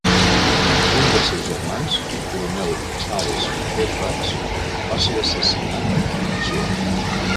Un dels seus germans, el coronel Charles Fairfax, va ser assassinat en acció.